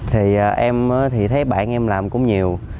thì em thì thấy bạn em làm cũng nhiều